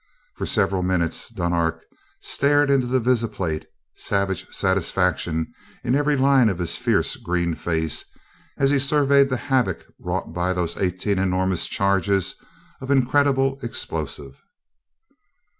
For several minutes Dunark stared into the visiplate, savage satisfaction in every line of his fierce green face as he surveyed the havoc wrought by those eighteen enormous charges of incredible explosive.